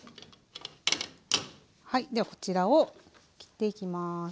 はいではこちらを切っていきます。